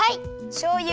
しょうゆ。